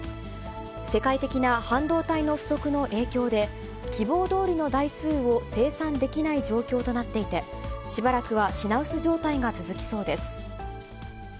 世界的な半導体の不足の影響で、希望どおりの台数を生産できない状況となっていて、しばらくは品薄状態が続きそうです。